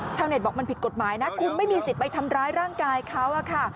บอกมันผิดกฎหมายนะคุณไม่มีสิทธิ์ไปทำร้ายร่างกายเขาอะค่ะ